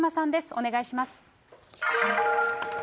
お願いします。